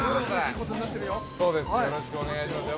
よろしくお願いしますよ。